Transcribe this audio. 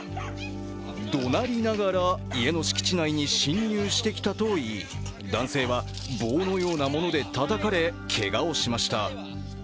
どなりながら家の敷地内に侵入してきたといい男性は棒のようなものでたたかれけがをしました。